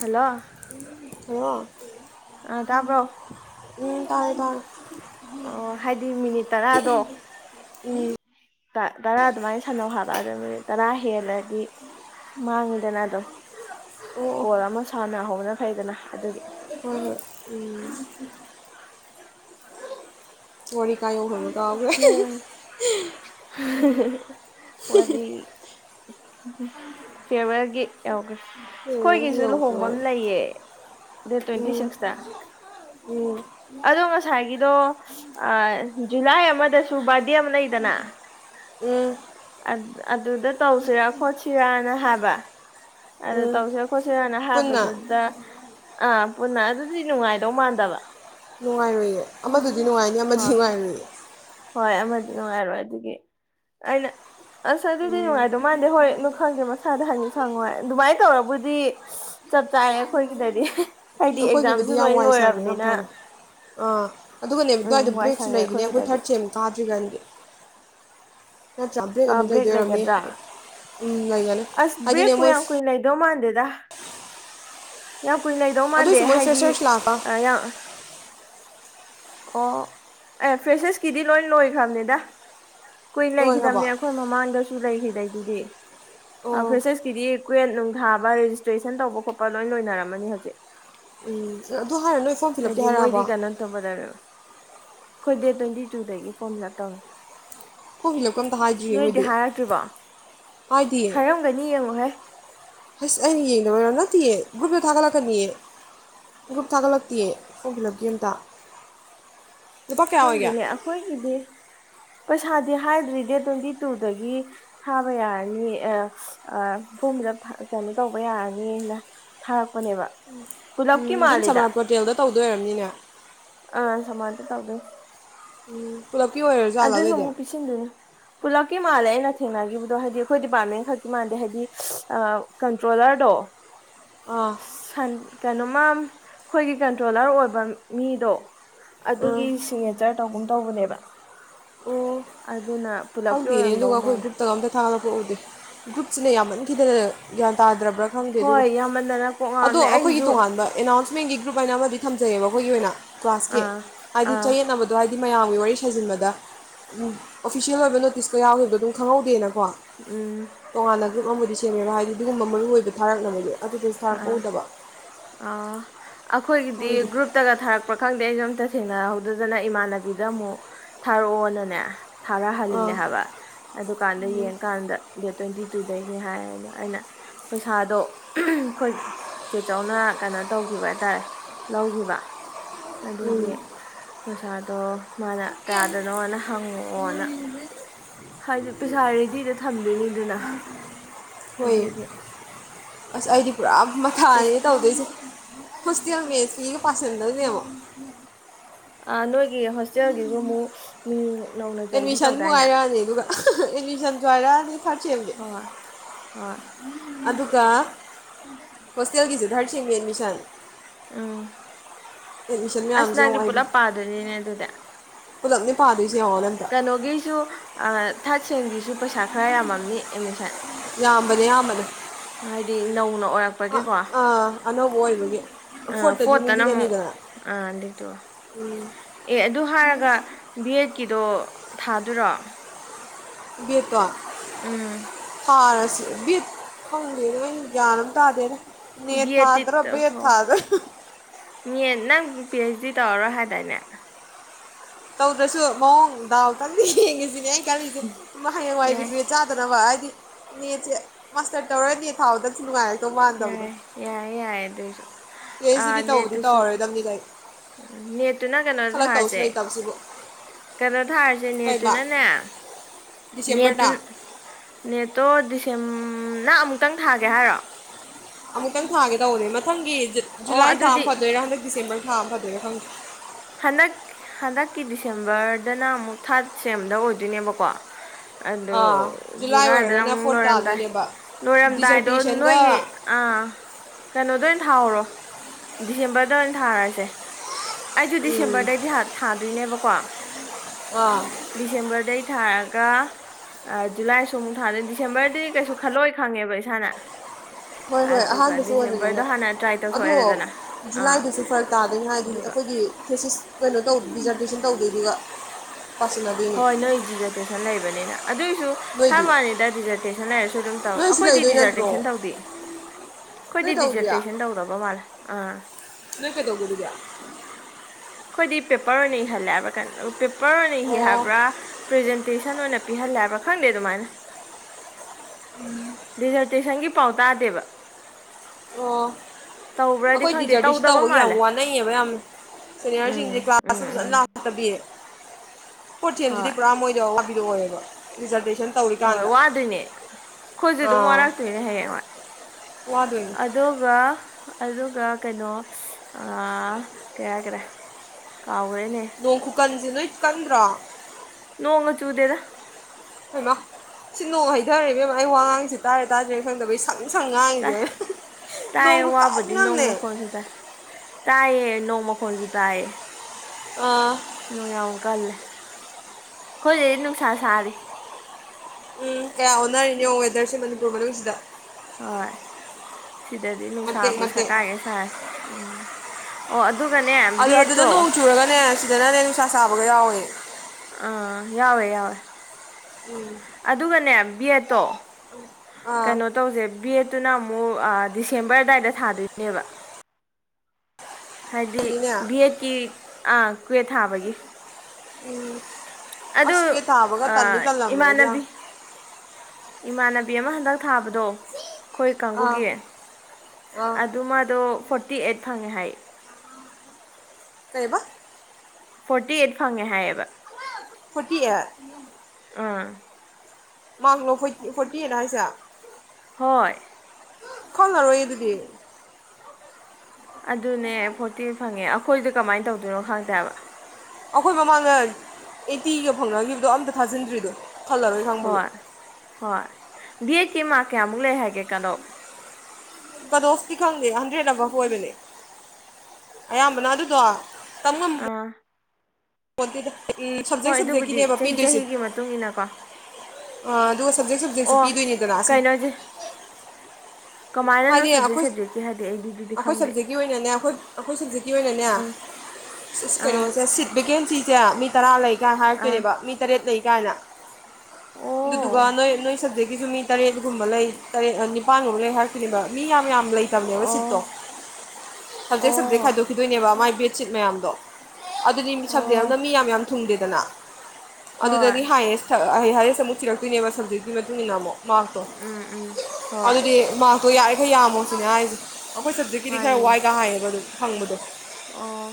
hello ꯑꯣ ꯑ ꯇꯥꯕ꯭ꯔꯣ ꯑꯣ ꯍꯥꯏꯗꯤ ꯃꯤꯅꯤꯠ ꯇꯔꯥꯗꯣ ꯇꯥ ꯇꯔꯥ ꯑꯗꯨꯃꯥꯏꯅ ꯁꯅꯧ ꯍꯥꯢꯕ ꯑꯗꯨꯒ ꯇꯔꯥ ꯍꯦꯜꯂꯗꯤ ꯃꯥꯡꯉꯤꯗꯅ ꯑꯗꯨꯝ ꯀꯣꯂ ꯑꯃꯥꯁꯨ ꯁꯥꯟꯅꯍꯧꯕꯅ ꯐꯩꯗꯅ ꯑꯗꯨꯒꯤ ꯍꯣꯏ ꯍꯣꯏ ꯎꯝ [inaudible] ꯋꯥꯔꯤ ꯀꯥꯢ ꯌꯧꯈ꯭ꯔꯥꯕꯅꯣ ꯋꯥꯔꯤ ꯐꯦꯕꯋ꯭ꯥꯔꯒꯤ ꯌꯧꯒ꯭ꯔꯦ ꯑꯩꯈꯣꯏꯒꯤꯁꯨ ꯂꯨꯍꯣꯡꯕ ꯑꯃ ꯂꯩꯌꯦ ꯗꯦꯠ ꯇ꯭ꯋꯦꯟꯇꯤ ꯁꯤꯛꯁꯇ ꯑꯗꯣ ꯉꯁꯥꯏꯒꯤꯗꯣ ꯑꯥ ꯖꯨꯨꯂꯥꯏ ꯑꯃꯥꯗꯁꯨ ꯕꯥꯔꯠ ꯗꯤ ꯑꯃꯥ ꯂꯩꯗꯅ ꯑꯠ ꯑꯗꯨꯗ ꯇꯧꯁꯤꯔꯥ ꯈꯣꯠꯁꯤꯔꯅ ꯍꯥꯏ ꯕꯥ ꯑꯗꯨ ꯇꯧꯁꯤꯔꯥ ꯈꯣꯠꯁꯤꯔꯥꯅ ꯍꯥꯏꯕꯗꯨꯗ ꯑꯥ ꯄꯨꯟꯅ ꯑꯗꯨꯗꯤ ꯅꯨꯡꯉꯥꯏꯗꯧ ꯃꯥꯟꯗꯕ ꯅꯨꯡꯉꯥꯏꯔꯣꯏꯌꯦ ꯑꯃꯥꯗꯨ ꯑꯗꯨ ꯅꯨꯡꯉꯥꯏꯅꯤ ꯑꯃꯗꯤ ꯍꯣꯏ ꯅꯨꯡꯉꯥꯏꯔꯣꯢꯌꯦ ꯍꯣꯏ ꯑꯃꯗꯤ ꯅꯨꯡꯉꯥꯏꯔꯣꯏ ꯑꯗꯨꯒꯤ ꯑꯩꯅ ꯑꯁ ꯑꯗꯨꯗꯤ ꯅꯨꯡꯉꯥꯏꯗꯣꯢ ꯃꯥꯥꯟꯗꯦ ꯍꯣꯏ ꯈꯪꯗꯦ ꯃꯁꯥꯗ ꯍꯪꯒꯦꯁꯨ ꯍꯪꯉꯣꯏ ꯑꯗꯨꯃꯥꯏꯅ ꯇꯧꯔꯕꯨꯗꯤ ꯆꯞ ꯆꯥꯌꯦ ꯑꯩꯈꯣꯏꯒꯤꯗꯗꯤ ꯍꯥꯏꯗꯤ ꯑꯦꯛꯖꯥꯝꯁꯨ ꯑꯩꯈꯣꯏꯒꯤꯕꯨꯗꯤ ꯌꯥꯝ ꯂꯣꯏ ꯋꯥꯏ ꯁꯪꯉꯦ ꯌꯥꯝ ꯂꯣꯏꯔꯕꯅꯤꯅ ꯐꯔꯦ ꯑꯥ ꯑꯗꯨꯒꯅꯦꯕ ꯎꯝ ꯑꯗꯨ꯭ꯋꯥꯏꯗꯣ ꯋꯥꯏ ꯕ꯭ꯔꯦꯛꯁꯨ ꯁꯪꯉꯦ ꯂꯩꯕꯅꯦ ꯑꯩꯈꯣꯏ ꯑꯩꯈꯣꯏꯒꯤꯗꯗꯤ ꯊꯥꯔꯠ ꯁꯦꯝ ꯀꯥꯗ꯭ꯔꯤ ꯀꯥꯟꯒꯤ ꯅꯠꯇ꯭ꯔꯥ ꯕ꯭ꯔꯦꯛ ꯑꯥ ꯑꯃꯨꯛ ꯂꯩꯗꯣꯏ ꯑꯣꯢꯔꯝꯅꯤ ꯂꯩꯒꯗ꯭ꯔꯥ ꯑꯁ ꯕ꯭ꯔꯦꯛꯄꯨ ꯌꯥꯝ ꯀꯨꯏꯅ ꯂꯩꯗꯧ ꯃꯥꯟꯗꯦ ꯗꯥ ꯌꯥꯝ ꯀꯨꯏꯅ ꯂꯩꯗꯧ ꯃꯥꯟꯗꯦ ꯑꯗꯨꯏꯁꯨ ꯃꯣꯏ ꯍꯥꯏꯗꯤ ꯐ꯭ꯔꯦꯁꯔꯁ ꯂꯥꯛꯄ ꯑꯥ ꯌꯥꯝ ꯑꯣ ꯑꯦ ꯐ꯭ꯔꯦꯁ꯭ꯔꯁꯀꯤꯗꯤ ꯂꯣꯏ ꯂꯣꯏꯈ꯭ꯔꯕꯅꯦꯗ ꯀꯨꯏꯅ ꯂꯣꯏꯈ꯭ꯔꯕꯣ ꯂꯩꯈꯤꯗꯕꯅꯦ ꯑꯩꯈꯣꯏ ꯃꯃꯥꯡꯗꯁꯨ ꯂꯩꯈꯤꯗꯦ ꯑꯗꯨꯗꯤ ꯑ ꯑꯣ ꯐ꯭ꯔꯦꯁ꯭ꯔꯁ ꯀꯤꯗꯤ ꯀꯨꯋꯦꯠ ꯅꯨꯡꯊꯥꯕ ꯔꯦꯖꯤꯁꯇ꯭ꯔꯦꯁꯟ ꯇꯧꯕ ꯈꯣꯠꯄ ꯂꯣꯏ ꯂꯣꯏꯅꯔꯝꯃꯅꯤ ꯍꯧꯖꯤꯛ ꯎꯝ ꯖꯥ ꯑꯗꯨ ꯍꯥꯏꯔꯣ ꯅꯣꯏ ꯐꯣꯔꯝ ꯐꯤꯜ ꯑꯞꯀꯤ ꯍꯥꯏꯔꯛꯑꯕꯣ ꯑꯈꯣꯏ ꯗꯦꯠ ꯇ꯭ꯋꯦꯟꯇꯤ ꯇꯨꯗꯒꯤ ꯐꯣꯝꯐꯤꯜꯞ ꯇꯧꯅꯤ ꯐꯣꯝꯐꯤꯜꯂꯞꯀꯥ ꯑꯃꯠ ꯍꯥꯏꯗꯔ꯭ꯤꯌꯦ ꯅꯣꯏꯗꯤ ꯑꯈꯣꯢꯗꯤ ꯍꯥꯏꯔꯛꯇ꯭ꯔꯤꯕꯣ ꯍꯥꯏꯗꯤꯌꯦ ꯍꯥꯏꯔꯝꯒꯅꯤ ꯌꯦꯡꯉꯨꯍꯦ ꯍꯥꯁ ꯑꯩꯅꯥ ꯌꯦꯡꯗꯕ ꯅꯠꯇꯤꯌꯦ ꯒꯔꯨꯞꯇ ꯊꯒꯠꯂꯛꯀꯅꯤꯒꯦ ꯊꯒꯠꯂꯛꯇꯤꯌꯦ ꯐꯣꯝꯐꯤꯜꯂꯞ ꯀꯤ ꯑꯃꯇ ꯈꯪꯗꯦꯅꯦ ꯑꯈꯣꯏꯒꯤꯗꯤ ꯄꯩꯁꯥꯗꯤ ꯍꯥꯏꯗ꯭ꯔꯤ ꯗꯦꯠ ꯇ꯭ꯋꯦꯟꯇꯤ ꯇꯨꯗꯒꯤ ꯊꯥꯕ ꯌꯥꯔꯅꯤ ꯑꯥ ꯑꯥ ꯐꯣꯝꯐꯤꯜꯂꯥꯞ ꯀꯩꯅꯣ ꯇꯧꯕ ꯌꯥꯔꯅꯤꯅ ꯊꯥꯔꯛꯄꯅꯦꯕ ꯄꯨꯂꯞꯀꯤ ꯑꯗꯨꯝ ꯃꯥꯜꯂꯤꯗ ꯁꯃꯥꯔꯠ ꯄꯣꯔꯇꯜꯗ ꯇꯧ ꯗꯣꯏ ꯑꯣꯏꯔꯝꯅꯤꯅ ꯑꯥ ꯁꯃꯔꯠ꯭ꯇ ꯇꯧꯗꯣꯢ ꯎꯝ ꯄꯨꯂꯞꯀꯤ ꯑꯣꯏꯔꯖꯥꯠꯂꯗꯣꯏꯗꯤ ꯀꯤ ꯃꯥꯜꯂꯦ ꯑꯩꯅ ꯊꯦꯡꯅꯈꯤꯕꯗꯣ ꯍꯥꯏꯗꯤ ꯑꯈꯣꯏ ꯗꯤꯄꯥꯔꯠꯃꯦꯟ ꯈꯛꯀꯤ ꯃꯥꯜꯗꯦ ꯍꯥꯏꯗꯤ ꯀꯟꯇ꯭ꯔꯣꯂꯔꯗꯣ ꯑꯥ ꯁꯟ ꯀꯩꯅꯣꯃ ꯑꯈꯣꯏꯒꯤ ꯀꯟꯇ꯭ꯔꯣꯂꯔ ꯑꯣꯏꯕ ꯃꯤꯗꯣ ꯎꯝ ꯑꯗꯨꯒꯤ ꯁꯤꯛꯅꯦꯆꯔ ꯇꯧꯒꯨꯝ ꯇꯧꯕꯅꯦꯕ ꯑꯗꯨꯅ ꯄꯨꯂꯞꯀꯤ ꯈꯡꯗꯦꯅꯦ ꯑꯣꯏꯔꯝꯗꯧ ꯑꯗꯨꯒꯥ ꯑꯈꯣꯏ ꯃꯥꯜꯂꯦ ꯒꯔꯨꯞꯇꯒꯥ ꯑꯃꯇ ꯊꯒꯠꯂꯛ ꯄꯥ ꯎꯗꯦ ꯒꯔꯨꯞ ꯁꯨꯅ ꯌꯥꯝꯃꯟꯈꯤꯗꯅ ꯒ꯭ꯌꯥꯟ ꯇꯥꯗ꯭ꯔꯕ꯭ꯔꯥ ꯈꯪꯗꯦ ꯑꯗꯨꯒ ꯍꯣꯏ ꯌꯥꯝꯃꯟꯗꯅ ꯀꯣꯛ ꯑꯗꯣ ꯉꯥꯎꯕꯅꯦ ꯑꯈꯣꯏꯒꯤ ꯑꯩꯒꯤꯁꯨ ꯇꯣꯡꯉꯟꯕ ꯑꯦꯅꯥꯎꯟꯁꯃꯦꯟꯒꯤ ꯒꯔꯨꯞ ꯍꯥꯏꯅꯥ ꯑꯃꯗꯤ ꯊꯝꯖꯩꯌꯦꯕ ꯑꯈꯣꯏꯒꯤ ꯑꯣꯏꯅ ꯀ꯭ꯂꯥꯁꯀꯤ ꯑꯥ ꯍꯥꯏꯗꯤ ꯑꯥ ꯆꯥꯌꯦꯠꯟꯕꯗꯣ ꯍꯥꯏꯗꯤ ꯃꯌꯥꯝꯒꯤ ꯋꯥꯔꯤ ꯁꯥꯖꯤꯟꯕꯗ ꯑꯣꯐꯤꯁꯦꯜ ꯑꯣꯏ ꯅꯣꯇꯤꯁꯇꯣ ꯌꯥꯎꯈꯤꯕꯗꯣ ꯑꯗꯨꯝ ꯈꯪꯍꯧꯗꯦꯅ ꯀꯣ ꯎꯝ ꯇꯣꯡꯉꯟꯅꯥ ꯒꯔꯨꯞ ꯑꯃꯕꯨꯗꯤ ꯁꯦꯝ ꯁꯦꯝꯃꯦꯕꯥ ꯍꯥꯏꯗꯤ ꯑꯗꯨꯒꯨꯝꯕ ꯃꯔꯨꯑꯣꯏꯕ ꯊꯥꯔꯛꯅꯕꯗꯣ ꯑꯗꯨꯗꯁꯨ ꯊꯔꯛꯄ ꯎꯗꯕ ꯑꯈꯣꯏꯒꯤꯗꯤ ꯈꯪꯗꯦ ꯒ꯭ꯔꯨꯞꯇꯒ ꯊꯥꯔꯛꯄꯔꯥ ꯈꯪꯗꯦ ꯑꯩꯅ ꯁꯨꯝ ꯇ ꯊꯦꯡꯅꯍꯧꯗꯗꯅ ꯏꯃꯥꯟꯅꯕꯤꯗ ꯑꯃꯨꯛ ꯊꯥꯔꯛꯑꯣꯅꯅꯦ ꯊꯥꯔꯛꯍꯜꯂꯤꯅꯦ ꯑꯥ ꯍꯥꯏꯕ ꯑꯗꯨꯀꯥꯟꯗ ꯌꯦꯡꯀꯥꯟꯗ ꯗꯦꯠ ꯇ꯭ꯋꯦꯟꯇꯤ ꯇꯨꯗꯩꯅꯦ ꯍꯥꯏꯌꯦꯅ ꯑꯩꯅ ꯄꯩꯁꯥꯗꯣ ꯑꯈꯣꯏ ꯆꯦ ꯆꯧꯅ ꯀꯩꯅꯣ ꯇꯧꯈꯤꯕ ꯍꯥꯏꯇꯥꯔꯦ ꯂꯧꯈꯤꯕ ꯑꯗꯨꯒꯤ ꯄꯩꯁꯥꯗꯣ ꯃꯥꯅ ꯀꯌꯥꯗꯅꯣꯅ ꯍꯡꯉꯛꯑꯣꯅ ꯍꯥꯏꯗꯤ ꯄꯩꯁꯥ ꯔꯦꯗꯤꯗ ꯊꯝꯗꯣꯏꯅꯤꯗꯅ ꯍꯣꯏ ꯑꯗꯨꯒꯤ ꯑꯁ ꯑꯩꯗꯤ ꯄꯨꯔꯥ ꯃꯊꯥꯅꯤ ꯇꯧꯗꯣꯏꯖ ꯍꯣꯁꯇꯦꯜ ꯃꯦꯁꯐꯤꯒ ꯄꯁꯟꯗꯣꯅꯦ ꯃꯨꯛ ꯑꯥ ꯅꯣꯏꯒꯤ ꯍꯣꯁꯇꯦꯜꯒꯤꯁꯨ ꯑꯃꯨꯛ ꯎꯝ ꯑꯦꯠꯃꯤꯁꯟꯕꯨ ꯉꯥꯏꯔꯛꯑꯅꯤ ꯑꯗꯨꯒ ꯑꯦꯃꯤꯁꯟꯁꯨ ꯍꯥꯏꯔꯛꯑꯅꯤ ꯊꯥꯔ ꯁꯦꯝꯒꯤ ꯍꯣꯏ ꯍꯣꯏ ꯑꯗꯨꯒ ꯍꯣꯁꯇꯦꯜꯒꯤꯁꯨ ꯊꯔ ꯁꯦꯝꯒꯤ ꯑꯦꯗꯃꯤꯁꯟ ꯑꯝ ꯑꯦꯗꯃꯤꯁꯟ ꯑꯁ ꯃꯌꯥꯝꯁꯦ ꯅꯪꯗꯤ ꯌꯦꯡꯉꯣ ꯄꯨꯂꯞ ꯄꯥꯗꯣꯏꯅꯤꯅꯦ ꯑꯗꯨꯗꯤ ꯄꯨꯂꯛꯅꯤ ꯄꯗꯣꯖ ꯀꯩꯅꯣꯒꯤꯁꯨ ꯑ ꯊꯥꯔꯠ ꯁꯦꯟꯒꯤꯁꯨ ꯄꯩꯁꯥ ꯈꯔ ꯌꯥꯝꯃꯝꯅꯤ ꯑꯦꯠꯃꯤꯁꯟ ꯌꯥꯝꯕꯅꯦ ꯌꯥꯝꯕꯅꯦ ꯍꯥꯏꯗꯤ ꯅꯧꯅ ꯑꯣꯏꯔꯛꯄꯒꯤꯀꯣ ꯑ ꯑꯥ ꯑꯅꯧꯕ ꯑꯣꯏꯕꯒꯤ ꯐꯣꯔꯠꯇꯗꯤ ꯐꯣꯔꯠꯇꯅ ꯑꯃꯨꯛ ꯂꯤꯛꯑꯅꯤꯗꯅ ꯑꯥ ꯂꯤꯛꯇꯔꯣ ꯑꯦ ꯑꯗꯨ ꯍꯥꯏꯔꯒ ꯕꯤ ꯑꯦꯠ ꯀꯤꯗꯣ ꯊꯥꯗꯨꯔꯣ ꯕꯦꯠꯇꯣ ꯎꯝ ꯑꯥꯔꯁ ꯕꯤ ꯑꯦꯠ ꯈꯪꯗꯦꯅꯦ ꯒꯌꯥꯟ ꯑꯝ ꯇꯥꯗꯦꯅꯦ [unintelligible] ꯕꯤꯑꯦꯠꯇꯤ ꯇꯧꯊꯣꯛꯑꯣ ꯄꯤ ꯑꯩꯆ ꯗꯤ ꯇꯧꯔꯔꯣꯏ ꯍꯥꯏꯗꯏꯅꯦ ꯇꯧꯗ꯭ꯔꯁꯨ ꯃꯑꯣꯡ ꯗꯥꯎꯇꯪꯗꯤ ꯌꯦꯡꯉꯤꯁꯤ ꯑꯩꯅ ꯀꯜꯂꯤꯁ ꯃꯍꯌꯦꯡꯋꯥꯏ ꯌꯥꯏ ꯔꯤꯒ꯭ꯔꯦꯠ ꯆꯥꯗꯅꯕ ꯅꯦꯠꯁꯦ ꯃꯁꯇꯔ ꯇꯧꯔꯥ ꯅꯦꯠ ꯐꯥꯎꯗ ꯊꯤ ꯅꯨꯡꯉꯥꯏꯔꯦ ꯌꯥꯏ ꯌꯥꯏ ꯌꯥꯏꯌꯦ ꯑꯗꯨꯏꯁꯨ ꯄꯤ ꯑꯩꯁꯗꯤ ꯗꯤ ꯇꯧꯕꯗꯤ ꯇꯧꯔꯔꯣꯏꯗꯕꯅꯤ ꯀꯩꯅꯣ ꯎ ꯅꯦꯠ ꯇꯨꯅ ꯀꯩꯅꯣ ꯊꯥꯔꯁꯦ ꯀꯩꯅꯣ ꯊꯥꯔꯁꯦ ꯀꯩꯕ ꯅꯦꯠꯇꯨꯅꯥꯅꯦ ꯅꯦꯠꯇꯨ ꯗꯤꯁꯦꯝꯕꯔꯗ ꯅꯠꯇꯣ ꯗꯤꯁ ꯑꯝ ꯅꯪ ꯑꯃꯨꯛ ꯇꯪ ꯊꯥꯒꯦ ꯍꯥꯏꯔꯣ ꯑꯃꯨꯛꯇꯪ ꯊꯥꯒꯦ ꯇꯧꯕꯅꯦ ꯃꯊꯪꯒꯤ ꯑꯣ ꯖꯨꯨꯂꯥꯏ ꯊꯥꯕꯅꯥ ꯑꯗꯨꯗꯤ ꯐꯗꯣꯏꯔ ꯍꯗꯛ ꯗꯤꯁꯦꯝꯕꯔ ꯊ ꯐꯗꯣꯏꯔꯥ ꯈꯪꯗꯦ ꯍꯟꯗꯛ ꯍꯟꯗꯛꯀꯤ ꯗꯤꯁꯦꯝꯕꯔꯗꯅ ꯑꯃꯨꯛ ꯊꯥꯔꯠ ꯁꯦꯝꯗ ꯑꯣꯏꯗꯣꯏ ꯅꯦꯕꯀꯣ ꯑꯗꯨ ꯑꯥ ꯖꯨꯂꯥꯏ ꯖꯨꯂꯥꯏꯗꯅ ꯑꯣꯏꯔꯒꯅ ꯑꯃꯨꯛ ꯐꯣꯔꯠ ꯂꯣꯏꯔꯝꯗꯥꯏ ꯇꯥꯗꯣꯏꯅꯦꯕ ꯂꯣꯏꯔꯝꯗꯥꯏꯗꯣ ꯗꯤꯖꯔꯇꯦꯁꯟꯒ ꯅꯣꯏꯒꯤ ꯑꯥ ꯀꯩꯅꯣꯗꯣ ꯑꯣꯏ ꯊꯥꯎꯔꯣ ꯗꯤꯁꯦꯝꯕꯔꯗ ꯑꯣꯏꯅ ꯊꯥꯔꯁꯦ ꯑꯩꯁꯨ ꯎꯝ ꯗꯤꯁꯦꯝꯕꯔꯗꯩꯗꯤ ꯊꯥꯗꯣꯏꯅꯦꯕꯀꯣ ꯑꯥ ꯗꯤꯁꯦꯝꯕꯔꯗꯒꯤ ꯊꯥ ꯀ ꯖꯨꯂꯥꯏꯁꯨ ꯑꯃꯨꯛ ꯊꯥꯗꯣꯏ ꯗꯤꯁꯦꯝꯕꯔꯗꯤ ꯀꯩꯁꯨ ꯈꯜꯂꯣꯏ ꯈꯪꯉꯦꯕ ꯏꯁꯥꯅ ꯍꯣꯏ ꯍꯣꯏ ꯑꯗꯨꯒ ꯑꯍꯥꯟꯕꯁꯨ ꯑꯣꯏꯕꯅꯤꯅ ꯗꯤꯁꯦꯝꯕꯔꯗꯣ ꯍꯥꯟꯅ ꯇ꯭ꯔꯥꯏ ꯑꯗꯣ ꯇꯧꯊꯣꯛꯑꯦꯗꯅ ꯑꯥ ꯖꯨꯂꯥꯏꯗꯨꯁꯨ ꯐꯔꯛ ꯇꯥꯗꯣꯏꯅꯤ ꯍꯥꯏꯗꯤ ꯑꯗꯨꯒ ꯑꯩꯈꯣꯏ ꯒꯤ ꯊꯦꯁꯤꯁ ꯀꯩꯅꯣ ꯇꯧ ꯗꯤꯖꯥꯔꯇꯦꯁꯟ ꯇꯧꯗꯣꯏꯗꯨꯒ ꯄꯥꯁꯤꯟꯅꯗꯣꯏꯅꯤ ꯍꯣꯏ ꯅꯣꯏ ꯗꯤꯖꯔꯇꯦꯁꯟ ꯂꯩꯕꯅꯤꯅ ꯑꯗꯨ ꯑꯣꯏꯁꯨ ꯅꯣꯏꯗꯤ ꯍꯥꯏꯕ ꯋꯅꯤꯗ ꯗꯤꯖꯔꯇꯦꯁꯟ ꯍꯥꯏꯔꯁꯨ ꯑꯗꯨꯝ ꯇꯧ ꯅꯣꯏꯁꯨ ꯑꯩꯈꯣꯏꯗꯤ ꯂꯩꯗꯣꯏ ꯅꯠꯇ꯭ꯔꯣ ꯗꯤꯖꯔꯇꯦꯁꯟ ꯇꯧꯗꯦ ꯑꯩꯈꯣꯏꯗꯤ ꯅꯣꯏ ꯇꯧꯗꯤꯌꯥ ꯗꯤꯖꯔꯇꯦꯁꯟ ꯇꯧꯗꯕ ꯃꯥꯜꯂꯦ ꯑꯥ ꯅꯣꯏ ꯀꯩꯗꯧꯕꯗꯨꯒꯤ ꯑꯩꯈꯣꯏꯗꯤ ꯄꯦꯄꯔ ꯑꯣꯏꯅ ꯏꯍꯜꯂꯦꯕ ꯀꯩꯅꯣ ꯄꯦꯄꯔ ꯑꯣꯏꯅ ꯏ ꯑꯣ ꯍꯥꯏꯕ ꯄ꯭ꯔꯦꯖꯦꯟꯇꯦꯁꯟ ꯑꯣꯏꯅ ꯄꯤꯍꯜꯂꯦ ꯍꯥꯏꯕ꯭ꯔ ꯈꯪꯗꯦ ꯑꯗꯨꯃꯥꯏꯅ ꯗꯤꯖꯔꯇꯦꯁꯟꯒꯤ ꯄꯥꯎ ꯇꯥꯗꯦꯕ ꯑꯣ ꯇꯧꯕ꯭ꯔꯗꯤ ꯑꯩꯈꯣꯏ ꯈꯪꯗꯦ ꯗꯤꯖꯔꯇꯤꯁꯟ ꯇꯧꯗꯕ ꯇꯧꯕꯒꯤ ꯌꯥꯝ ꯃꯥꯜꯂꯦ ꯋꯥꯅꯩꯌꯦꯕ ꯌꯥꯝ ꯁꯦꯅꯤꯌꯔ ꯎꯝ ꯁꯤꯡꯁꯦ ꯀ꯭ꯂꯥꯁꯁꯨ ꯎꯝ ꯎꯝ ꯐꯖꯅ ꯂꯥꯛꯇꯕꯤꯌꯦ ꯐꯣꯔꯠ ꯁꯦꯝꯁꯤꯗꯤ ꯍꯣꯏ ꯄꯨꯔꯥ ꯃꯣꯏ ꯗꯣ ꯗ ꯑꯣꯏꯌꯦꯕ ꯗꯤꯖꯥꯔꯇꯦꯁꯟ ꯍꯣꯏ ꯋꯥꯗꯣꯏꯅꯦ ꯑꯩꯈꯣꯏꯁꯨ ꯑꯗꯨꯝ ꯑꯥ ꯋꯥꯔꯛ ꯇꯣꯏꯅꯦ ꯍꯌꯦꯡ ꯋꯥꯏ ꯋꯥꯗꯣꯏꯅꯤ ꯑꯗꯨꯒ ꯑꯗꯨꯒ ꯀꯩꯅꯣ ꯀꯩ ꯍꯥꯏꯈꯔꯦ ꯀꯥꯎꯔꯦꯅꯦ ꯖꯦ ꯅꯣꯏ ꯀꯟꯗ꯭ꯔꯣ ꯅꯣꯒ ꯆꯨꯗꯦꯗ ꯍꯩꯃ ꯁꯤ ꯅꯣꯡ ꯍꯩꯊꯔꯦ ꯏꯕꯦꯝꯃꯥ ꯑꯩ ꯋꯥ ꯉꯥꯡꯏ ꯁꯦ ꯇꯥꯕ꯭ꯔꯥ ꯇꯥꯗ꯭ꯔꯤꯔ ꯈꯪꯗꯕꯩ ꯁꯪ ꯑ ꯇꯥꯏ ꯇꯥꯏꯌꯦ ꯋꯥꯕꯨꯗꯤ ꯈꯨꯀꯟ ꯅꯣꯡ ꯑꯝꯅꯦ ꯃꯈꯣꯟꯁꯨ ꯇꯥꯏ ꯇꯥꯏꯌꯦ ꯅꯣꯡ ꯃꯈꯣꯟꯁꯨ ꯇꯥꯏꯌꯦ ꯑꯥ ꯅꯨꯡ ꯌꯥꯝ ꯀꯜꯂꯦ ꯑꯩꯈꯣꯏ ꯅꯨꯡꯁꯥ ꯁꯥꯔꯤ ꯎꯝ ꯀꯌꯥ ꯑꯣꯟꯅꯔꯤꯅꯣ ꯌꯦꯡꯉꯣ ꯃꯅꯤꯄꯨꯔꯒꯤ ꯇꯧꯕꯅꯦ ꯑꯁꯤꯗ ꯍꯣꯏ ꯁꯤꯗꯗꯤ ꯃꯇꯦꯛ ꯅꯨꯡꯁꯥꯕꯨ ꯃꯇꯦꯛ ꯁꯀꯥꯏꯒꯩ ꯁꯥꯔꯦ ꯎꯝ ꯑꯣ ꯑ ꯑꯗꯨ ꯑꯗꯨꯗ ꯅꯣꯡ ꯆꯨꯔꯒꯅꯦ ꯁꯤꯗꯅ ꯅꯦ ꯅꯨꯡꯁꯥ ꯁꯥꯕꯒ ꯌꯥꯎꯏ ꯑꯥ ꯌꯥꯎꯋꯦ ꯌꯥꯎꯋꯦ ꯑꯗꯨꯒꯅꯦ ꯕꯦꯠꯗꯇꯣ ꯑꯥ ꯀꯩꯅꯣ ꯇꯧꯁꯦ ꯕꯤ ꯑꯦꯠ ꯑꯗꯨꯅ ꯑꯃꯨꯛ ꯗꯤꯁꯦꯝꯕꯔ ꯑ ꯑꯗꯨ ꯋꯥꯏꯗ ꯊꯥꯗꯣꯏꯅꯦꯕ ꯍꯥꯏꯗꯤ ꯑꯗꯨꯅꯤꯅꯦ ꯕꯤ ꯑꯦꯠꯀꯤ ꯑꯥ ꯀꯨꯋꯦꯠ ꯊꯥꯕꯒꯤ ꯎꯝ ꯑꯗꯨ ꯑꯩꯗꯤ ꯌꯥꯝ ꯏꯃꯥꯟꯅꯕꯤ ꯏꯃꯥꯟꯅꯕꯤ ꯑꯃ ꯍꯟꯗꯛ ꯊꯥꯕꯗꯣ ꯑꯩꯈꯣꯏ ꯑꯥ ꯀꯥꯡꯕꯨꯒꯤ ꯑꯥ ꯑꯗꯨ ꯃꯥꯗꯣ ꯐꯣꯔ ꯇꯤ ꯑꯩꯠ ꯐꯪꯉꯦ ꯍꯥꯏꯌꯦ ꯀꯩꯕ ꯐꯣꯔꯇꯤ ꯑꯩꯠ ꯐꯪꯉꯦ ꯍꯥꯏꯌꯦꯕ ꯐꯣꯔꯇꯤ ꯑꯩꯠ ꯑꯥ ꯃꯥꯥ꯭ꯔꯛꯂꯣ ꯐꯣꯔꯇꯤ ꯑꯩꯠ ꯍꯥꯏꯁꯦ ꯍꯣꯏ ꯈꯜꯂꯔꯣꯏ ꯑꯗꯨꯗꯤ ꯑꯗꯨꯅꯦ ꯐꯣꯔꯇꯤ ꯐꯪꯉꯦ ꯑꯩꯈꯣꯏꯗꯤ ꯀꯃꯥꯏꯅ ꯇꯧꯗꯣꯏꯅꯣ ꯈꯪꯗꯕ ꯍꯥꯏꯕ ꯑꯩꯈꯣꯏ ꯃꯃꯥꯡꯗ ꯑꯩꯠꯇꯤꯒ ꯐꯪꯅꯈꯤꯕꯗꯣ ꯑꯝꯇ ꯊꯥꯖꯤꯟꯗ꯭ꯔꯤꯗꯣ ꯈꯜꯂꯔꯣꯏ ꯈꯪꯕꯒꯤ ꯍꯣꯏ ꯍꯣꯏ ꯕꯤꯑꯦꯠꯀꯤ ꯃꯥ꯭ꯔꯛ ꯀꯌꯥꯃꯨꯛ ꯂꯩ ꯍꯥꯏꯒꯦ ꯀꯠ ꯑꯣꯐ ꯀꯠ ꯑꯣꯐꯇꯤ ꯈꯪꯗꯦ ꯍꯟꯗ꯭ꯔꯦꯠ ꯑꯕꯞ ꯑꯣꯏꯕꯅꯦ ꯑꯌꯥꯝꯕꯅ ꯑꯗꯨꯗꯣ ꯑꯥ ꯄꯣꯠꯇꯦꯗ ꯍꯣꯏ ꯑꯗꯨꯕꯨꯗꯤ ꯆꯍꯤ ꯆꯍꯤꯒꯤ ꯃꯇꯨꯡ ꯏꯟꯅ ꯀꯣ ꯑꯥ ꯑꯗꯨ ꯁꯕꯖꯦꯛꯁ ꯁꯖꯦꯛꯁꯁꯨ ꯄꯤꯗꯣꯏ ꯅꯦꯗꯅ ꯑꯁ ꯀꯩꯅꯣꯁꯦ ꯀꯃꯥꯏꯅꯅꯣ ꯍꯥꯏꯗꯤ ꯁꯕꯖꯦꯛ ꯑꯩꯈꯣꯏ ꯁꯕꯖꯦꯛꯀꯤ ꯍꯥꯏꯗꯤ ꯑꯩꯗꯤ ꯑꯗꯨꯗꯤ ꯑꯩꯈꯣꯏ ꯈꯪꯗꯦ ꯁꯕꯖꯦꯛꯀꯤ ꯑꯣꯏꯅꯅꯦ ꯑꯩꯈꯣꯏ ꯑꯩꯈꯣꯏ ꯁꯕꯖꯦꯛꯀꯤ ꯑꯣꯏꯅꯅꯦ ꯑꯥ ꯑꯥ ꯀꯩꯅꯣꯁꯦ ꯁꯤꯠ ꯚꯦꯀꯦꯟꯁꯤ ꯁꯦ ꯃꯤ ꯇꯔꯥ ꯂꯩ ꯥꯁ ꯍꯥꯏꯔꯛ ꯇꯣꯏ ꯑꯥ ꯅꯦꯕ ꯃꯤ ꯇꯔꯦꯠ ꯂꯩ [inaudible] ꯑꯗꯨ ꯗꯨꯒ ꯑꯣ ꯅꯣꯏ ꯅꯣꯏ ꯁꯞꯖꯦꯛ ꯒꯤꯁꯨ ꯃꯤ ꯇꯔꯦꯠꯒꯨꯝꯕ ꯂꯩ ꯇꯔꯦꯠ ꯅꯤꯄꯥꯟꯒꯨꯝꯕ ꯂꯩ ꯍꯥꯏ ꯗꯦꯕ ꯃꯤ ꯌꯥꯝ ꯌꯥꯝ ꯂꯩꯇꯕꯅꯦꯕ ꯑꯣ ꯁꯤꯠꯇꯣ ꯁꯞꯖꯦꯛ ꯁꯕꯖꯦꯛ ꯑꯣ ꯈꯥꯏꯗꯣꯛꯈꯤꯗꯣꯏꯅꯦꯕ ꯃꯥꯏ ꯕꯦꯠ ꯆꯤꯠ ꯃꯌꯥꯝꯗꯣ ꯑꯗꯨꯗꯤ ꯁꯞꯖꯦꯛ ꯑꯣ ꯑꯃꯥꯅ ꯃꯤ ꯌꯥꯝ ꯌꯥꯝ ꯊꯨꯡꯗꯦꯗꯅ ꯍꯣꯏ ꯑꯗꯨꯗꯗꯤ ꯍꯥꯏꯌꯦꯁꯇꯥ ꯑꯩ ꯍꯥꯏꯌꯦꯁ ꯑꯃꯨꯛ ꯊꯤꯔꯛꯇꯣꯏꯅꯦꯕ ꯁ꯭ꯕꯖꯦꯛꯇꯨꯒꯤ ꯃꯇꯨꯡ ꯏꯟꯅ ꯑꯃꯨꯛ ꯃꯥꯔꯛꯇꯣ ꯎꯝ ꯎꯝ ꯍꯣꯏ ꯑꯗꯨꯗꯤ ꯃꯥ ꯑꯣ ꯌꯥꯔꯤꯈꯩ ꯌꯥꯝꯃꯣꯁꯤꯅꯦ ꯍꯥꯏꯔꯤꯁꯦ ꯑꯩꯈꯣꯏ ꯁꯞꯖꯦꯛꯀꯤꯗꯤ ꯈꯔꯥ ꯃꯥꯅꯤꯅꯦ ꯋꯥꯏꯒ ꯍꯥꯏꯌꯦꯕ ꯑꯗꯨꯝ ꯍꯪꯡꯕꯗꯣ ꯑꯣ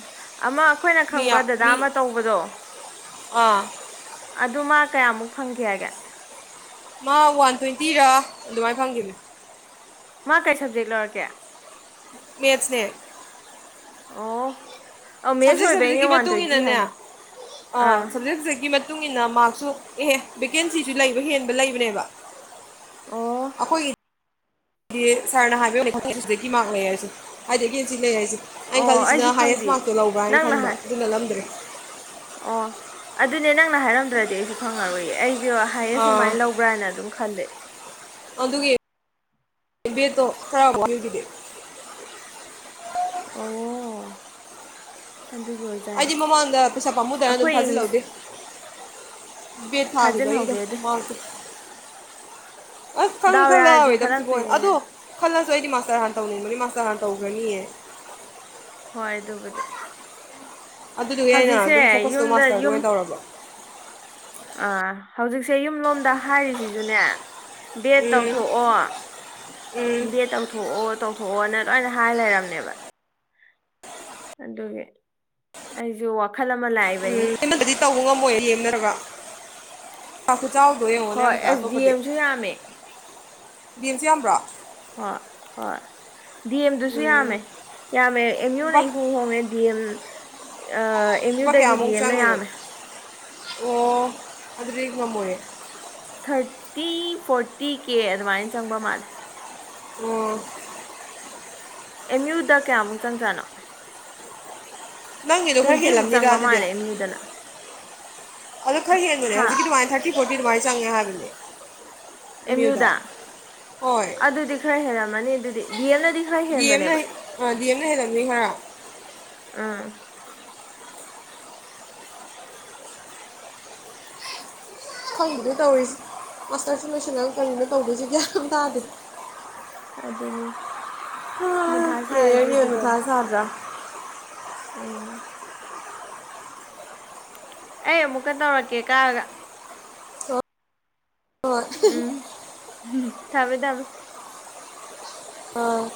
ꯑꯃ ꯑꯩꯈꯣꯏꯅ ꯈꯪꯕ ꯌꯥꯝ ꯗꯗꯥ ꯃꯤ ꯑꯃ ꯇꯧꯕꯗꯣ ꯑꯥ ꯑꯗꯨ ꯃꯥ ꯀꯌꯥꯃꯨꯛ ꯐꯪꯈꯤ ꯍꯥꯏꯒꯦ ꯃꯥ ꯋꯥꯟ ꯇ꯭ꯋꯦꯟꯇꯤꯔꯥ ꯑꯗꯨꯃꯥꯏꯅ ꯐꯪꯈꯤꯕꯅꯦ ꯃꯥ ꯀꯩ ꯁ꯭ꯕꯖꯦꯛ ꯂꯧꯔꯛꯀꯦ ꯃꯦꯠꯁꯅꯦ ꯑꯣ ꯑꯧ ꯃꯦꯠꯁ ꯁꯕꯖꯦꯛ ꯑꯣꯏꯕꯩꯅꯦ ꯁꯕꯖꯦꯛꯀꯤ ꯋꯥꯟ ꯃꯇꯨꯡ ꯇ꯭ꯋꯦꯟꯇꯤ ꯏꯟꯅꯅꯦ ꯑ ꯍꯥꯏꯗꯣ ꯑꯥ ꯁꯕꯖꯦꯛ ꯁꯕꯖꯦꯛꯀꯤ ꯊꯨꯡ ꯏꯟꯅ ꯃꯥ꯭ꯔꯛꯁꯨ ꯑꯦꯍꯦ ꯕꯦꯀꯦꯟꯁꯤꯁꯨ ꯂꯩꯕ ꯍꯦꯟꯕ ꯂꯩꯕꯅꯦꯕ ꯑꯣ ꯑꯩꯈꯣꯏꯒꯤ ꯗꯤ ꯁꯥ꯭ꯔꯅ ꯍꯥꯏꯕꯩ ꯋꯥꯅꯤ ꯃꯥꯔꯛ ꯂꯩ ꯍꯥꯏꯁꯦ ꯍꯥꯏꯗꯒꯤ ꯍꯧꯖꯤꯛ ꯂꯩ ꯍꯥꯏꯁꯦ ꯑꯩꯅ ꯑꯣ ꯑꯩꯁꯨ ꯈꯜꯂꯤꯁꯤꯅ ꯍꯥꯏꯌꯦꯁ ꯈꯪꯗꯦ ꯃꯥꯔꯛꯇꯣ ꯂꯧꯕ꯭ꯔꯥ ꯍꯥꯢꯅ ꯅꯪꯅ ꯈꯟꯕ ꯍꯥꯏ ꯑꯗꯨ ꯅꯠꯂꯝꯗ꯭ꯔꯦ ꯑꯣ ꯑꯗꯨꯅꯦ ꯅꯪꯅ ꯍꯥꯏꯔꯝꯗ꯭ꯔꯗꯤ ꯑꯩꯁꯨ ꯈꯪꯉꯥꯔꯣꯏꯌꯦ ꯑꯩ ꯍꯥꯏꯌꯦꯁ ꯑꯥ ꯁꯨꯃꯥꯏꯅ ꯂꯧꯕ꯭ꯔꯥꯅ ꯑꯗꯨꯝ ꯈꯜꯂꯦ ꯑꯗꯨꯒꯤ ꯕꯦꯠꯇꯣ ꯈꯔ ꯋꯥꯢꯌꯨꯈꯤꯗꯦ ꯑꯣ ꯑꯗꯨꯒꯤ ꯑꯣꯏꯖꯥꯠꯅꯦ ꯑꯩꯗꯤ ꯃꯃꯥꯡꯗ ꯄꯩꯁꯥ ꯑꯁ ꯄꯥꯝꯃꯨꯗꯅ ꯑꯗꯨꯝ ꯑꯩꯈꯣꯏ ꯏꯪꯂꯤꯁ ꯊꯥꯖꯤꯜꯍꯧꯗꯦ ꯕꯦꯠ ꯊꯥꯈꯤꯕꯒꯤꯗꯣ ꯊꯥꯖꯤꯟꯍꯧꯒꯦꯗ ꯃꯥꯔꯛ ꯑꯁ ꯈꯪ ꯗꯥꯎ ꯌꯥꯔꯗꯤ ꯈꯜꯂꯥꯎꯋꯤꯗ ꯄꯤꯕꯣꯟ ꯈꯜꯂꯛꯇꯣꯏꯅꯤꯅꯦ ꯑꯗꯣ ꯈꯜꯂ ꯑꯗꯣ ꯑꯩꯗꯤ ꯃꯥꯁꯇꯔ ꯍꯥꯟꯅ ꯇꯧꯅꯤꯡꯕꯅꯤ ꯃꯥꯁꯇꯔ ꯍꯥꯟꯅ ꯇꯧꯈ꯭ꯔꯅꯤꯌꯦ ꯍꯣꯏ ꯑꯗꯨꯕꯨꯗꯤ ꯑꯗꯨꯗꯨꯒꯤ ꯑꯩꯅ ꯑꯗꯨꯝ ꯍꯧꯖꯤꯛꯁꯦ ꯐꯣꯀ꯭ꯁꯇꯣ ꯌꯨꯝꯗ ꯃꯥꯁꯇꯔꯗꯥ ꯌꯨꯝ ꯑꯣꯏꯅ ꯇꯧꯔꯕ ꯑꯥ ꯍꯧꯖꯤꯛꯁꯦ ꯌꯨꯝ ꯂꯣꯝꯗ ꯍꯥꯏꯔꯤꯁꯤꯁꯨꯅꯦ ꯕꯦꯠ ꯇꯧꯊꯣꯛꯑꯣ ꯎꯝ ꯕꯦꯠ ꯇꯧꯊꯣꯛꯑꯣ ꯇꯧꯊꯣꯛꯑꯣ ꯅ ꯂꯣꯏꯅ ꯍꯥꯏ ꯂꯩꯔꯕꯅꯦꯕ ꯑꯗꯨꯒꯤ ꯑꯩꯁꯨ ꯋꯥꯈꯜ ꯑꯃ ꯂꯥꯛꯏꯕꯅꯤ ꯎꯝ ꯅꯩꯅꯗꯗꯤ ꯇꯧꯕ ꯉꯝꯃꯣꯏ ꯌꯦꯡꯅꯔꯒ [inaudible] ꯍꯣꯏ ꯑꯦꯁ ꯗꯤ ꯑꯦꯝꯁꯨ ꯌꯥꯝꯃꯦ ꯗꯦꯝꯁꯨ ꯌꯥꯝꯕ꯭ꯔꯣ ꯍꯣꯏ ꯍꯣꯏ ꯗꯤ ꯑꯦꯝꯗꯨꯁꯨ ꯎꯝ ꯌꯥꯝꯃꯦ ꯌꯥꯝꯃꯦ ꯑꯦꯝ ꯌꯨꯅ ꯂꯨꯄꯥ ꯏꯍꯣꯡ ꯍꯣꯡꯉꯦ ꯗꯤ ꯑꯦꯝ ꯑꯦꯝ ꯂꯨꯄꯥ ꯌꯨꯗꯒꯤ ꯗꯤ ꯀꯌꯥꯃꯨꯛ ꯑꯦꯝꯅ ꯆꯪꯉꯤꯅꯣ ꯌꯥꯝꯃꯦ ꯑꯣ ꯑꯗꯨꯗꯤ ꯉꯝꯃꯣꯏꯌꯦ ꯊꯥꯔꯇꯤ ꯐꯣꯔꯇꯤ ꯀꯦ ꯑꯗꯨꯃꯥꯏꯅ ꯆꯪꯕ ꯃꯥꯜꯂꯦ ꯎꯝ ꯑꯦꯝ ꯌꯨꯗ ꯀꯌꯥꯃꯨꯛ ꯆꯪꯖꯥꯠꯅꯣ ꯅꯪꯒꯤꯗꯣ ꯈꯔ ꯇ꯭ꯋꯦꯟꯇꯤꯃꯨꯛ ꯍꯦꯜꯂꯝꯅꯤꯗ ꯆꯪꯕ ꯑꯗꯨꯗꯤ ꯃꯥꯜꯂꯦ ꯑꯦꯝ ꯌꯨꯗꯅ ꯑꯗꯣ ꯈꯔ ꯍꯦꯟꯕꯅꯦ ꯍꯥ ꯍꯧꯖꯤꯛꯒꯤ ꯑꯗꯨꯃꯥꯋꯏꯅ ꯊꯥꯔꯇꯤ ꯐꯣꯔꯇꯤ ꯗꯨꯃꯥꯏ ꯆꯪꯉꯦ ꯍꯥꯏꯕꯅꯦ ꯑꯦꯝ ꯌꯨꯗ ꯍꯣꯏ ꯑꯗꯨꯗꯤ ꯈꯔ ꯍꯦꯜꯂꯝꯃꯅꯤ ꯑꯗꯨ ꯗꯤ ꯑꯦꯝꯅ ꯗꯤ ꯑꯦꯝꯅ ꯍꯦꯜꯂꯝꯅꯤ ꯈꯔ ꯑꯝ ꯈꯪꯗꯦꯗ ꯇꯧꯔꯤꯁꯦ ꯃꯥꯁꯇꯔꯁꯤꯡ ꯂꯣꯏꯁꯜꯂꯒ ꯀꯔꯤꯅꯣ ꯇꯧꯗꯣꯏꯁꯤ ꯒ꯭ꯌꯥꯟ ꯇꯥꯗꯦ ꯑꯗꯨꯅꯤ ꯁꯥꯔꯤꯁꯦ ꯑꯗꯨꯗꯅꯤ ꯃꯊꯥ ꯁꯥꯗ꯭ꯔꯥ ꯎꯝ ꯑꯩ ꯑꯃꯨꯛꯀ ꯇꯧꯔꯛꯀꯦ ꯀꯛꯑꯒ ꯎꯝ ꯊꯝꯃꯦ ꯊꯝꯃꯦ ꯑ